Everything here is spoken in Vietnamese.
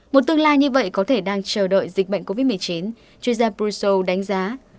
một tương lai như vậy có thể đang chờ đợi dịch bệnh covid một mươi chín chuyên gia putow đánh giá